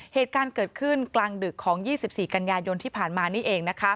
เหตุการณ์เกิดขึ้นกลางดึกของ๒๔กันยายนที่ผ่านมานี่เอง